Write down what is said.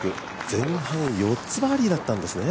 前半４つバーディーだったんですね